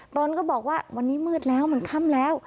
ตนก็บอกว่าวันนี้มืดแล้วมันค่ำแล้ว